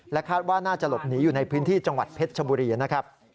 คาดว่าน่าจะหลบหนีอยู่ในพื้นที่จังหวัดเพชรชบุรีนะครับ